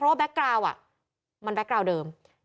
เพราะว่าแก๊กกราวมันแก๊กกราวเดิม